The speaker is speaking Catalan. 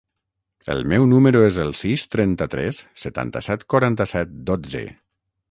El meu número es el sis, trenta-tres, setanta-set, quaranta-set, dotze.